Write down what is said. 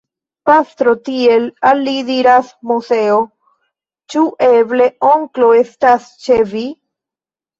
Pastro, tiel al li diras Moseo, ĉu eble onklo estas ĉe vi?